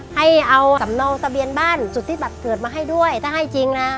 ให้เอาสำเนาทะเบียนบ้านสุธิบัตรเกิดมาให้ด้วยถ้าให้จริงนะ